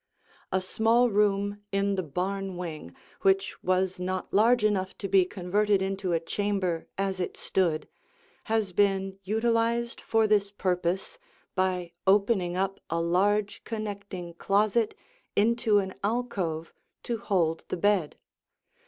A small room in the barn wing, which was not large enough to be converted into a chamber as it stood, has been utilized for this purpose by opening up a large, connecting closet into an alcove to hold the bed.